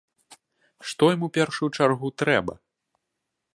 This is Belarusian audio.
Што ім у першую чаргу трэба?